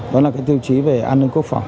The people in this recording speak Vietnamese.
đó là tiêu chí về an ninh quốc phòng